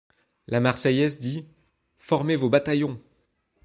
La Marseillaise dit : Formez vos bataillons !